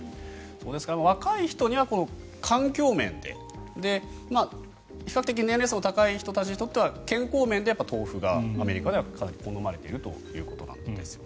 若い人には環境面で比較的、年齢層が高い人たちにとっては健康面で豆腐がアメリカではかなり好まれているということです。